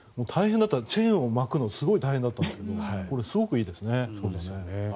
チェーンを巻くのがすごい大変だったんですがこれ、すごくいいですね。